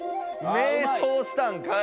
迷走したんかい。